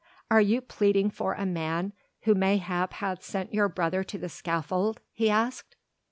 "Are you pleading for a man who mayhap hath sent your brother to the scaffold?" he asked.